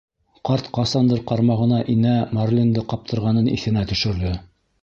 Ҡарт ҡасандыр ҡармағына инә марлинды ҡаптырғанын иҫенә төшөрҙө.